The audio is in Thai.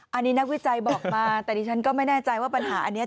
อันนี้นักวิจัยบอกมาแต่ดิฉันก็ไม่แน่ใจว่าปัญหาอันนี้